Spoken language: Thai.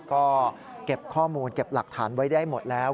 ก็เก็บข้อมูลเก็บหลักฐานไว้ได้หมดแล้ว